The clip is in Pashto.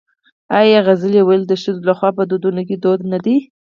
آیا سندرې ویل د ښځو لخوا په ودونو کې دود نه دی؟